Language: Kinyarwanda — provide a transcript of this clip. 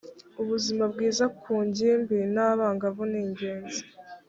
ubuzima bwiza ku ngimbi n’ abangavu ningenzi.